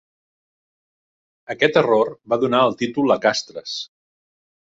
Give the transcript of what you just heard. Aquest error va donar el títol a Castres.